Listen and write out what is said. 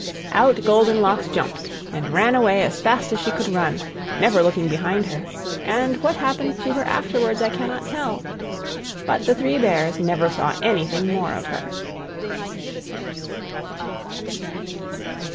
Out Goldenlocks jumped, and ran away as fast as she could run never looking behind her; and what happened to her afterwards I cannot tell. But the Three Bears never saw anything more of her.